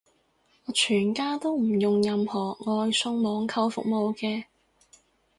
我全家都唔用任何外送網購服務嘅